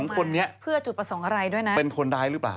คนนี้เพื่อจุดประสงค์อะไรด้วยนะเป็นคนร้ายหรือเปล่า